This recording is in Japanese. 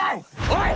おい！